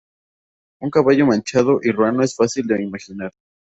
Un caballo manchado y ruano es fácil de imaginar.